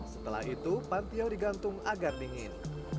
setelah itu pantiau digantung agar dingin